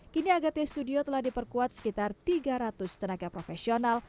kini agate studio telah diperkuat sekitar tiga ratus tenaga profesional